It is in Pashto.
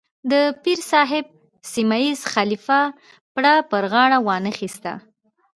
د پیر صاحب سیمه ییز خلیفه پړه پر غاړه وانه اخیسته.